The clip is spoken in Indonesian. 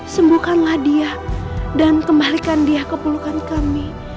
sembukkanlah dia dan kembalikan dia keperlukan kami